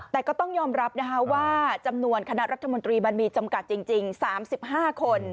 แต่ก็ต้องยอมรับนะคะว่าจำนวนคณะรัฐมนตรีมันมีจำกัดจริง๓๕คน